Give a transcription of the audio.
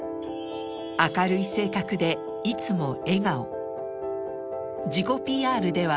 明るい性格でいつも笑顔自己 ＰＲ では